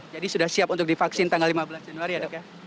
jadi sudah siap untuk divaksin tanggal lima belas januari ya dok ya